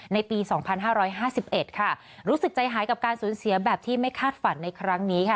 ในปี๒๕๕๑ค่ะรู้สึกใจหายกับการสูญเสียแบบที่ไม่คาดฝันในครั้งนี้ค่ะ